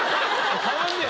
変わんねぇ。